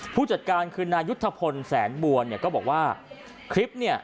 ผู้จัดการคือนายุทธพลแสนบัวเนี่ยก็บอกว่าคลิปเนี่ย